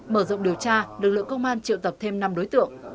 mở rộng điều tra lực lượng công an triệu tập thêm năm đối tượng